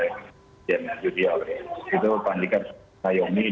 baik kita tunggu bagaimana andika perkasa akan merangkul aspirasi